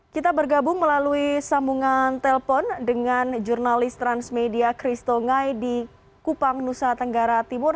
kita bergabung melalui sambungan telpon dengan jurnalis transmedia christo ngai di kupang nusa tenggara timur